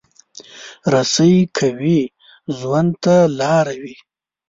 رسۍ که وي، ژوند ته لاره وي.